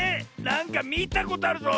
なんかみたことあるぞ。